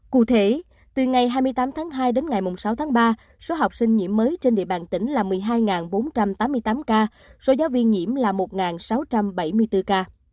cụ thể từ ngày hai mươi tám tháng hai đến ngày sáu tháng ba số học sinh nhiễm mới trên địa bàn tỉnh là một mươi hai bốn trăm tám mươi tám ca số giáo viên nhiễm là một sáu trăm bảy mươi bốn ca